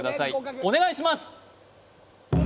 お願いします